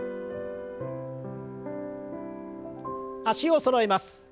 脚をそろえます。